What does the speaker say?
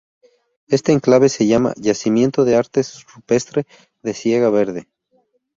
Este enclave se llama: Yacimiento de Arte Rupestre de Siega Verde.